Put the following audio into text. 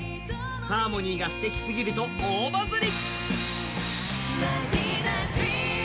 ハーモニーがすてきすぎると大バズり！